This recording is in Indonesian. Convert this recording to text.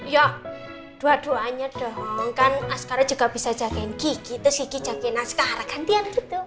ya dua duanya dong kan askara juga bisa jagain kiki terus kiki jagain askara kan tidak ada gitu